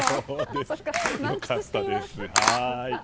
良かったです。